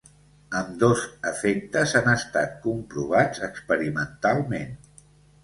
Ambdós efectes han estat comprovats experimentalment.